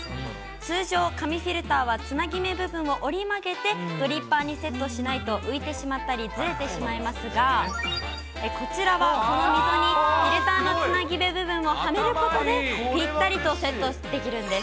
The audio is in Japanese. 通常、紙フィルターはつなぎ目部分を折り曲げてドリッパーにセットしないと浮いてしまったり、ずれてしまいますが、こちらはこの溝にフィルターのつなぎ目部分をはめることによって、ぴったりとセットできるんです。